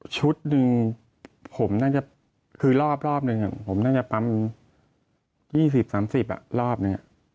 ชุดหนึ่งผมน่าจะคือรอบหนึ่งผมน่าจะปั๊ม๒๐๓๐รอบเนี่ย